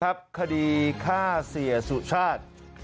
ครับคดีฆ่าเสียสู่ชาติ